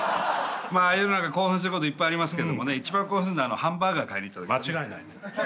世の中興奮することいっぱいありますけどもね一番興奮するのはハンバーガー買いに行ったときですね。